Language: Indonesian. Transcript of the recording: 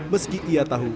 meski ia tahu